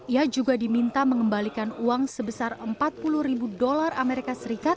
ia juga diminta mengembalikan uang sebesar empat puluh ribu dolar as